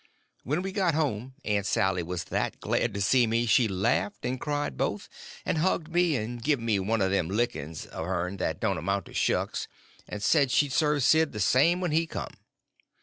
When we got home Aunt Sally was that glad to see me she laughed and cried both, and hugged me, and give me one of them lickings of hern that don't amount to shucks, and said she'd serve Sid the same when he come.